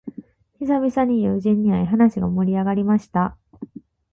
久々に友人に会い、話が盛り上がりました。